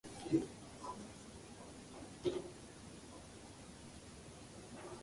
Yuan and his successors equated military dominance of the political sphere with national survival.